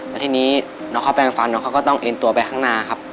แล้วทีนี้น้องเขาแปลงฟันน้องเขาก็ต้องเอ็นตัวไปข้างหน้าครับ